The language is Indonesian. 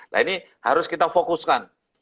nah ini harus kita fokuskan